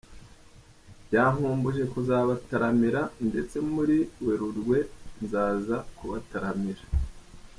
Byankumbuje kuzabataramira ndetse muri Werurwe nzaza kubataramira”.